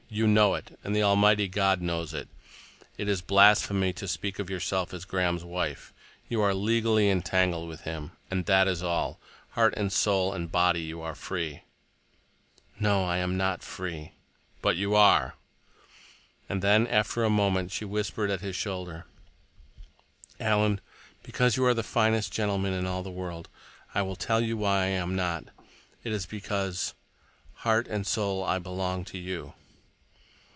"You know it, and the Almighty God knows it. It is blasphemy to speak of yourself as Graham's wife. You are legally entangled with him, and that is all. Heart and soul and body you are free." "No, I am not free." "But you are!" And then, after a moment, she whispered at his shoulder: "Alan, because you are the finest gentleman in all the world, I will tell you why I am not. It is because—heart and soul—I belong to you."